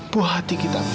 puah hati kita mila